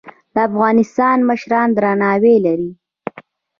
د افغانستان مشران درناوی لري